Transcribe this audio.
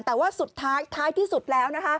แต่ว่าสุดท้ายที่สุดแล้ว